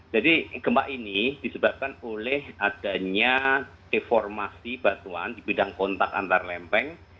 jadi gempa ini disebabkan oleh adanya deformasi batuan di bidang kontak antar lempeng